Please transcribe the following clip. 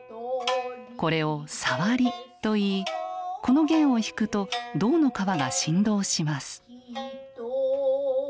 これを「サワリ」といいこの弦を弾くと胴の皮が振動します。